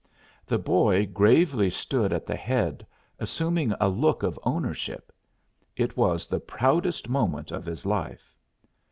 The boy gravely stood at the head, assuming a look of ownership. It was the proudest moment of his life.